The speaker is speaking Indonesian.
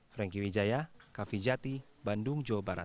franky wijaya kavijati bandung jawa barat